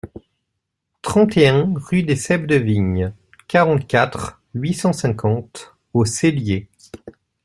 trente et un rue des Ceps de Vignes, quarante-quatre, huit cent cinquante au Cellier